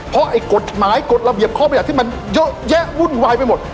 เพราะไอ้กฎหมายกฎระเบียบข้อประหยัดที่มันเยอะแยะวุ่นวายไปหมด